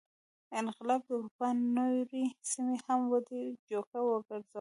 انقلاب د اروپا نورې سیمې هم ودې جوګه وګرځولې.